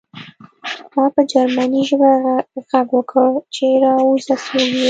ما په جرمني ژبه غږ وکړ چې راوځه څوک یې